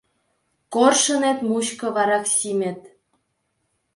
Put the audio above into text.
Коршынет мучко вараксимет